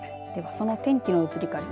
その天気の移り変わり